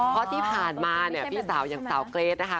เพราะที่ผ่านมาเนี่ยพี่สาวอย่างสาวเกรทนะคะ